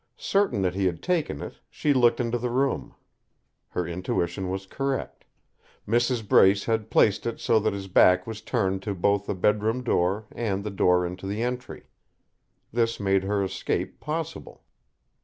Certain that he had taken it, she looked into the room. Her intuition was correct; Mrs. Brace had placed it so that his back was turned to both the bedroom door and the door into the entry. This made her escape possible.